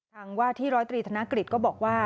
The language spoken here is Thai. ทางว่าที่๑๐๓ธนกฤษก็บอกว่า